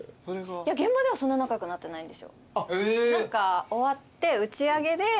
現場ではそんな仲良くなってないんですよ。